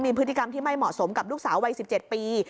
มีพฤติกรรมที่ไม่เหมาะสมกับลูกสาววัย๑๗ปี